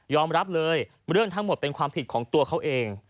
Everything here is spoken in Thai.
รับเลยเรื่องทั้งหมดเป็นความผิดของตัวเขาเอง